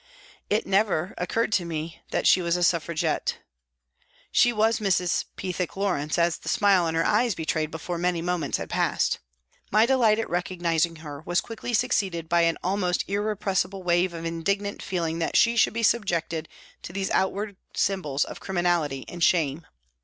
It never occurred to me that she was a Suffragette. She was Mrs. Pe thick Lawrence, as the smile in her eyes betrayed before many moments had passed. My delight at recognising her was quickly succeeded by an almost irrepressible wave of indignant feeling that she should be subjected to these outward symbols of criminality and shame.